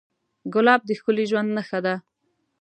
ګلاب د ښکلي ژوند نښه ده.